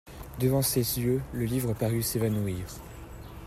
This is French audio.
Devant ses yeux, le livre parut s'évanouir.